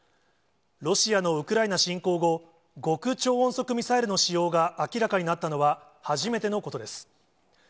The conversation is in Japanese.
ロシアのウクライナ侵攻後、極超音速ミサイルの使用が明らかになったのは、初めてのことです。